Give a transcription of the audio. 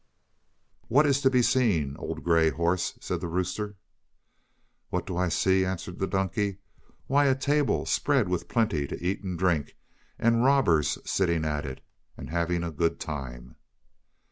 "What is to be seen, old Grey Horse?" said the rooster. "What do I see?" answered the donkey. "Why, a table spread with plenty to eat and drink, and robbers sitting at it and having a good time."